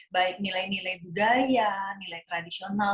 baik nilai nilai budaya nilai tradisional